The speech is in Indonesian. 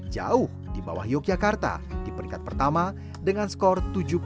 jauh di bawah yogyakarta di peringkat pertama dengan skor tujuh puluh lima puluh lima